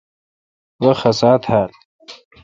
وی خسا تھال۔